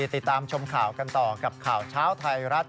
ติดตามชมข่าวกันต่อกับข่าวเช้าไทยรัฐ